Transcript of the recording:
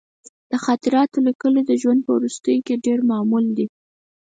د خاطراتو لیکل د ژوند په وروستیو کې ډېر معمول دي.